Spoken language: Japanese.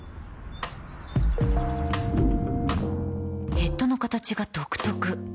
ヘッドの形が独特